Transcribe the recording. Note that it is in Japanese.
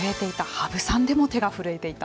羽生さんでも手が震えていた。